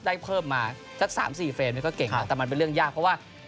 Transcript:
ได้เพิ่มมาสัก๓๔เฟรมก็เก่งแล้วแต่มันเป็นเรื่องยากเพราะว่า